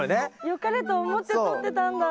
よかれと思って取ってたんだ。